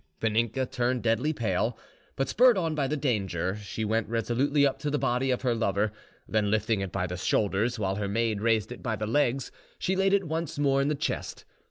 Vaninka turned deadly pale, but, spurred on by the danger, she went resolutely up to the body of her lover; then, lifting it by the shoulders, while her maid raised it by the legs, she laid it once more in the chest.